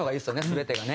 全てがね。